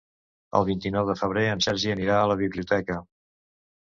El vint-i-nou de febrer en Sergi anirà a la biblioteca.